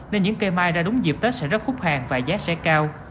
nên những cây mai ra đúng dịp tết sẽ rất khúc hàng và giá sẽ cao